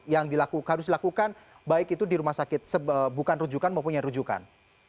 yang harus dilakukan baik itu di rumah sakit bukan rujukan maupun yang rujukan